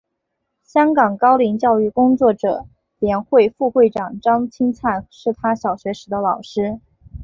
香港高龄教育工作者联会副会长张钦灿是他小学时的老师。